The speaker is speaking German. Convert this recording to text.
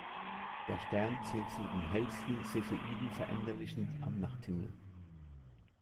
Der Stern zählt zu den hellsten Cepheiden-Veränderlichen am Nachthimmel.